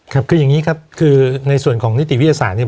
ครับคืออย่างนี้ครับคือในส่วนของนิติวิทยาศาสตร์เนี่ย